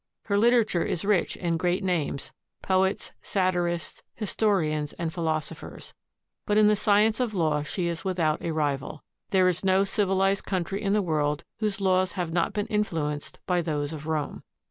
Her literature is rich in great names, — poets, satirists, historians, and philosophers. But in the science of law she is without a rival. There is no civilized country in the world whose laws have not been influenced by those of Rome.